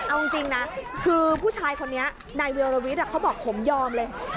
เอาจริงนะคือผู้ชายคนนี้นายเวียรวิทย์เขาบอกผมยอมเลย